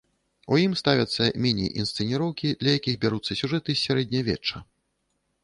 У ім ставяцца міні-інсцэніроўкі, для якіх бяруцца сюжэты з сярэднявечча.